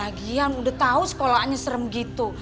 hah lagian udah tau sekolahnya serem gitu